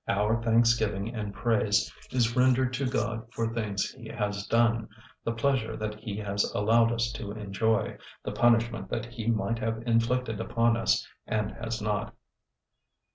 Our thanksgiving and praise is rendered to God for things He has done, the pleasure that He has allowed us to enjoy, the punishment that He might have inflicted upon us and has not.